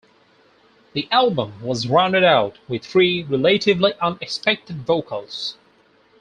The album was rounded out with three relatively unexpected vocals.